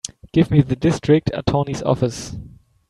Give me the District Attorney's office.